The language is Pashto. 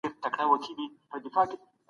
مرغۍ الوځي.